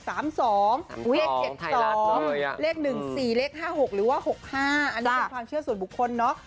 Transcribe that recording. เลข๗๒เลข๑๔เลข๕๖หรือว่า๖๕อันนี้เป็นความเชื่อส่วนบุคคลเนอะ